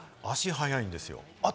足速いんですよ。